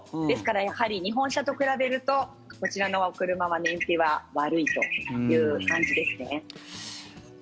ですから日本車と比べるとこちらの車は燃費は悪いという感じですね。